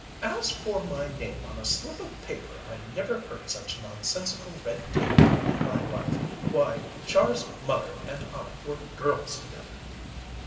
"... as for my name on a slip of paper, I never heard such nonsensical red tape in my life. Why, Char's mother and I were girls together!"